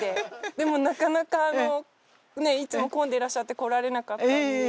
でもなかなかいつも混んでらっしゃって来られなかったんで。